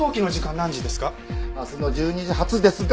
明日の１２時発ですが。